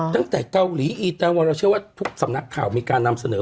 ตั้งแต่เกาหลีเออแทวนทุกสำนักข่าวมีการนำเสนอ